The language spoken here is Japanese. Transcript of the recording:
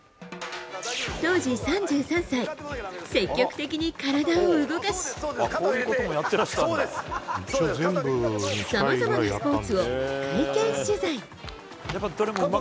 当時３３歳、積極的に体を動かしさまざまなスポーツを体験取材。